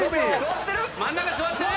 真ん中座ってる？